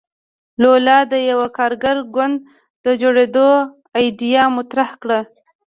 لولا د یوه کارګر ګوند د جوړېدو ایډیا مطرح کړه.